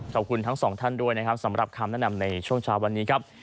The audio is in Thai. ขอบคุณทั้งสองท่านด้วยนะครับสำหรับคำแนะนำในช่วงเช้าวันนี้ครับ